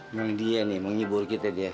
emang dia nih menghibur kita dia